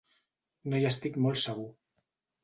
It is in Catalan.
No hi estic molt segur.